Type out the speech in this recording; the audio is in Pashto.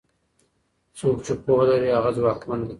څوک چې پوهه لري هغه ځواکمن دی.